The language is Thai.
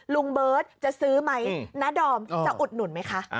ลุงเบิร์ตจะซื้อไหมณดอมจะอุดหนุนไหมคะ